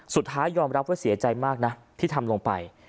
สุดท้ายยอมรับว่าเสียใจมากนะที่ทำลงไป